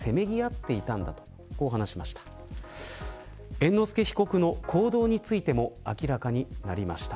猿之助被告の行動についても明らかになりました。